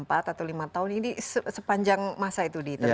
empat atau lima tahun ini sepanjang masa itu ditentukan